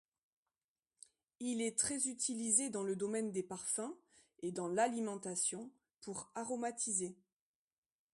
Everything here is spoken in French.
Il est très utilisé dans le domaine des parfums et dans l'alimentation pour aromatiser.